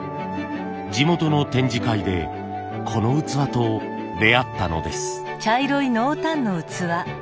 地元の展示会でこの器と出会ったのです。